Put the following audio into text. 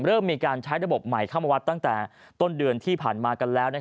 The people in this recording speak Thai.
เริ่มมีการใช้ระบบใหม่เข้ามาวัดตั้งแต่ต้นเดือนที่ผ่านมากันแล้ว